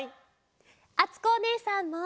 あつこおねえさんも！